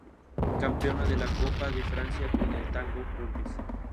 Campeona de la Copa de Francia con el Tango Bourges.